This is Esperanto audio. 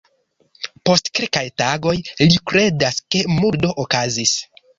Post kelkaj tagoj, li kredas ke murdo okazis.